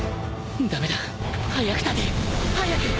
駄目だ早く立て！早く！